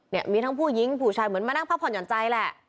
เนี่ยมีทั้งผู้หญิงผู้ชายเหมือนมานั่งพักผ่อนหย่อนใจแหละ